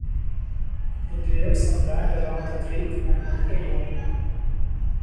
He cleared some land along the creek and built a home.